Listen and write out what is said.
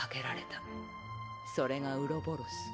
それがウロボロス。